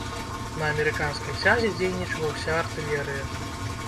На амерыканскай цязе дзейнічала ўся артылерыя.